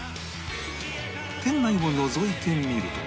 店内をのぞいてみると